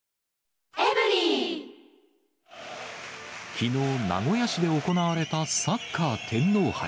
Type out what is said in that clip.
きのう、名古屋市で行われたサッカー天皇杯。